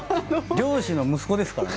漁師の息子ですからね